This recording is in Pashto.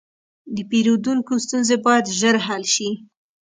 د پیرودونکو ستونزې باید ژر حل شي.